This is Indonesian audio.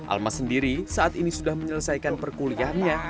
almas sendiri saat ini sudah menyelesaikan perkuliannya